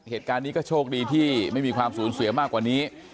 เหตุการณ์นี้ก็โชคดีที่ไม่มีความสูญเสียมากกว่านี้